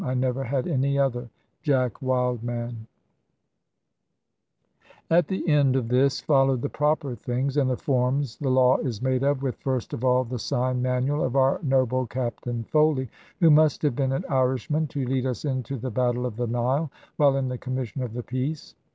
I never had any other Jack Wildman." At the end of this followed the proper things, and the forms the law is made of, with first of all the sign manual of our noble Captain Foley, who must have been an Irishman, to lead us into the battle of the Nile, while in the commission of the Peace.